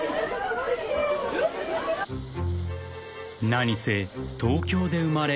［何せ東京で生まれ